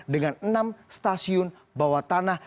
dengan enam stasiun bawah tanah